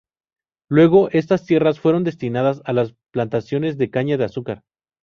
Luego estas tierras fueron destinadas a las plantaciones de caña de azúcar.